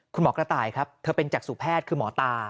กระต่ายครับเธอเป็นจักษุแพทย์คือหมอตา